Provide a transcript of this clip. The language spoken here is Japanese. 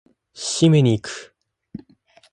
締めに行く！